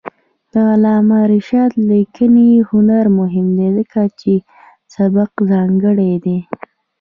د علامه رشاد لیکنی هنر مهم دی ځکه چې سبک ځانګړی دی.